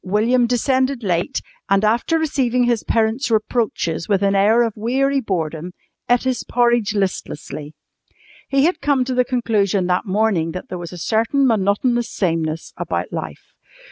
William descended slightly late, and, after receiving his parents' reproaches with an air of weary boredom, ate his porridge listlessly. He had come to the conclusion that morning that there was a certain monotonous sameness about life.